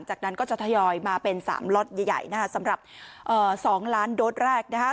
จากนั้นก็จะทยอยมาเป็น๓ล็อตใหญ่นะคะสำหรับ๒ล้านโดสแรกนะคะ